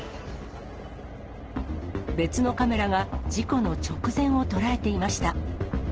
別のカメラが、事故の直前を捉えていました。